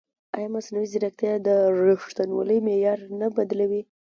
ایا مصنوعي ځیرکتیا د ریښتینولۍ معیار نه بدلوي؟